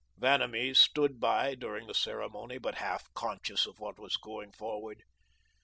Vanamee stood by during the ceremony, but half conscious of what was going forward.